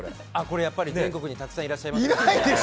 やっぱり全国にたくさんいらっしゃいますね。